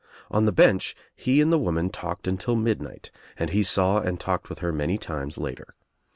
On the bench he and the woman talked until midnight and he saw and talked with her many times later.